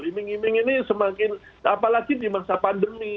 iming iming ini semakin apalagi di masa pandemi